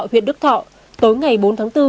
huyện đức thọ tối ngày bốn tháng bốn